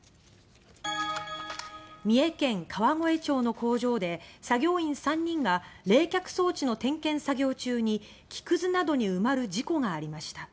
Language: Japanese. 三重県川越町の工場で作業員３人が冷却装置の点検作業中に木くずなどに埋まる事故がありました。